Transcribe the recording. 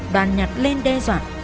đoàn nhặt lên đe dọa